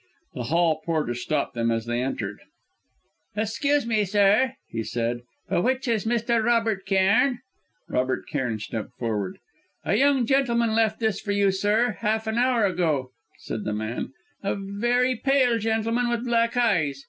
The hall porter stopped them as they entered. "Excuse me, sir," he said, "but which is Mr. Robert Cairn?" Robert Cairn stepped forward. "A young gentleman left this for you, sir, half an hour ago," said the man "a very pale gentleman, with black eyes.